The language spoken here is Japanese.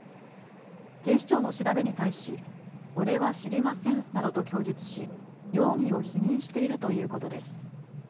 警視庁の調べに対し俺は知りませんなどと供述し容疑を否認しているということです。